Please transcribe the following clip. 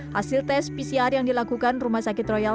hasil tes pcr yang dilakukan rumah sakit royal